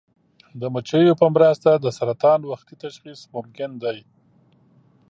د مچیو په مرسته د سرطان وختي تشخیص ممکن دی.